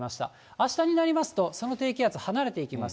あしたになりますと、その低気圧、離れていきます。